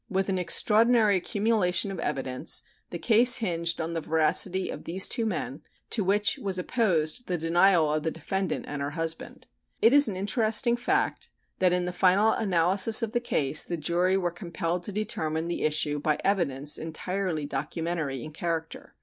With an extraordinary accumulation of evidence the case hinged on the veracity of these two men, to which was opposed the denial of the defendant and her husband. It is an interesting fact that in the final analysis of the case the jury were compelled to determine the issue by evidence entirely documentary in character.